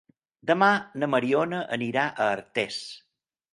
Demà na Mariona anirà a Artés.